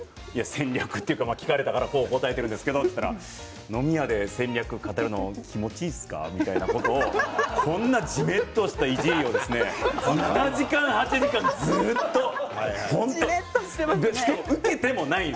戦略というか聞かれたからこう答えてるんですけどと言ったら飲み屋で戦略語るの気持ちいいですか？ということをじめっとしたいじりを７時間８時間ずっとという。